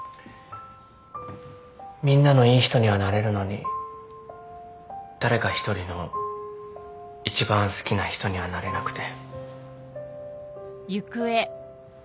みんなのいい人にはなれるのに誰か一人の一番好きな人にはなれなくて。